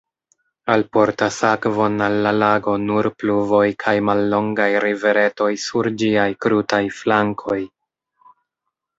Alportas akvon al la lago nur pluvoj kaj mallongaj riveretoj sur ĝiaj krutaj flankoj.